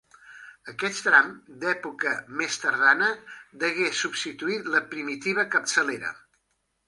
Aquest tram, d'època més tardana, degué substituir la primitiva capçalera.